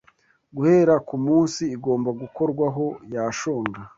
guhera kumunsi igomba gukorwaho, yashonga